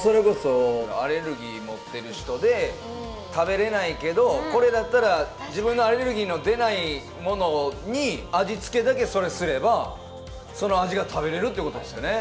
それこそアレルギー持ってる人で食べれないけどこれだったら自分のアレルギーの出ないものに味付けだけそれすればその味が食べれるってことですよね。